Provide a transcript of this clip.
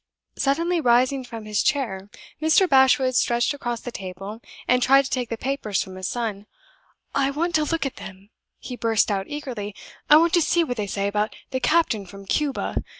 Suddenly rising from his chair, Mr. Bashwood stretched across the table, and tried to take the papers from his son. "I want to look at them," he burst out, eagerly. "I want to see what they say about the captain from Cuba.